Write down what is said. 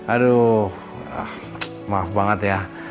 aduh maaf banget ya